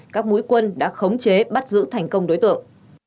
các mũi quân đã khống chế bắt giữ thành công đối tượng